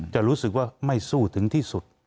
จะรู้สึกว่าไม่สู้ถึงที่สุด